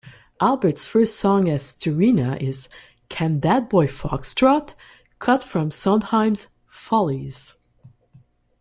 Albert's first song as "Starina" is "Can That Boy Foxtrot", cut from Sondheim's "Follies".